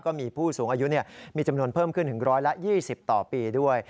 ก็มีผู้สูงอายุมีจำนวนเพิ่มขึ้นถึง๑๒๐ต่อปีด้วย